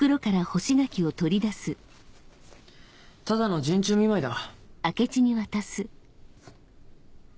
ただの陣中見舞いだ。